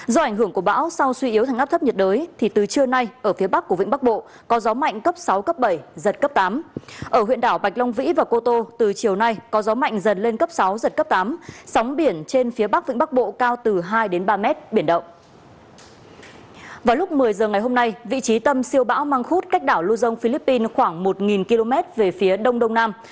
đến một mươi h ngày một mươi bốn tháng chín vị trí tâm siêu bão ở vào khoảng năm cách đảo lưu dông khoảng năm trăm linh km về phía đông đông nam